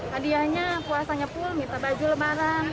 hadianya puasanya pul minta baju lebaran